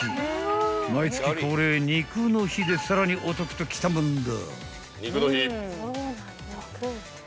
［毎月恒例肉の日でさらにお得ときたもんだ］